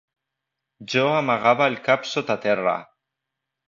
Jo amagava el cap sota terra.